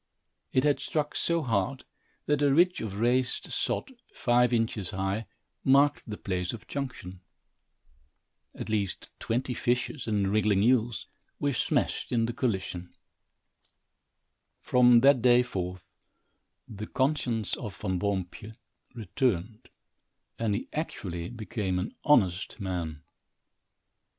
It had struck so hard, that a ridge of raised sod, five inches high, marked the place of junction. At least twenty fishes and wriggling eels were smashed in the collision. From that day forth the conscience of Van Boompjes returned, and he actually became an honest man.